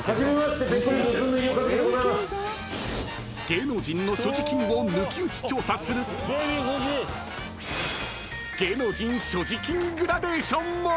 ［芸能人の所持金を抜き打ち調査する芸能人所持金グラデーションも］